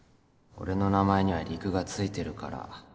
俺の名前には陸がついてるから